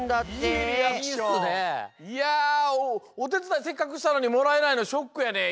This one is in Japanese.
いやおてつだいせっかくしたのにもらえないのショックやで。